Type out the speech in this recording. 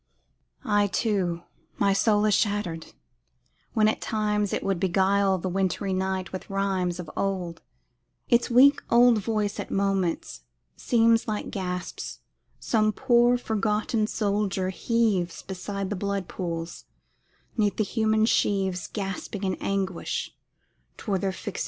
I too my soul is shattered; when at times It would beguile the wintry nights with rhymes Of old, its weak old voice at moments seems Like gasps some poor, forgotten soldier heaves Beside the blood pools 'neath the human sheaves Gasping in anguish toward their fixèd dreams.